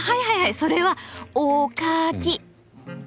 それはお・か・き。